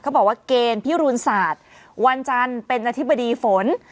บอกว่าเกณฑ์พิรุณศาสตร์วันจันทร์เป็นอธิบดีฝน